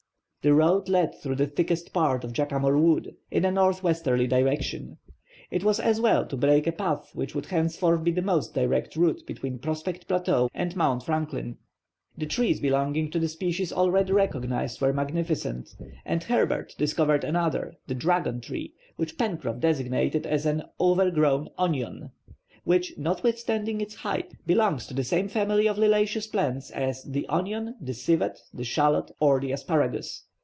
The road led through the thickest part of Jacamar Wood, in a northwesterly direction. It was as well to break a path which would henceforth be the most direct route between Prospect Plateau and Mount Franklin. The trees belonging to the species already recognized were magnificent, and Herbert discovered another, the dragon tree, which Pencroff designated as an "overgrown onion," which, notwithstanding its height, belongs to the same family of liliaceous plants as the onion, the civet, the shallot, or the asparagus.